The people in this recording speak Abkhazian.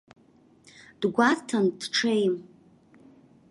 Дгәарҭан, дҽеим.